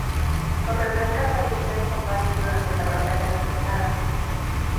Torreblanca falleció en combate durante la batalla mencionada.